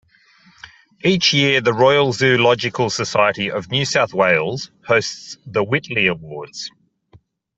Each year the Royal Zoological Society of New South Wales hosts the Whitley Awards.